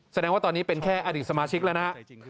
แสดงว่าตอนนี้เป็นแค่อดีตสมาชิกแล้วนะฮะ